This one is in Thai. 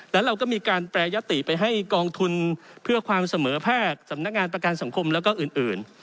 และเราก็มีการแปรยติไปให้กองทุนเพื่อความเสมอแพทย์สำนักงานประกันสังคมแล้วก็อื่น